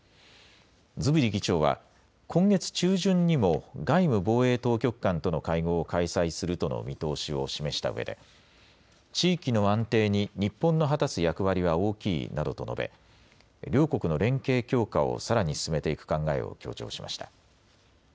ズビリ議長は、今月中旬にも外務・防衛当局間との会合を開催するとの見通しを示したうえで、地域の安定に日本の果たす役割は大きいなどと述べ、両国の連携強化をさらに進めていく考えを強調しました。